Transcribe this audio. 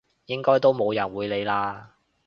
應該都冇人會理啦！